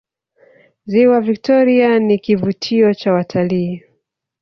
ziwa victoria ni kivutio cha watalii